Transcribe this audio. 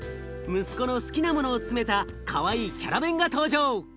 息子の好きなものを詰めたかわいいキャラベンが登場！